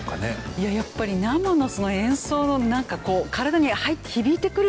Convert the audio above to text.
いややっぱり生の演奏のなんかこう体に響いてくる感じが。